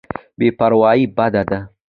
بې پروايي بد دی.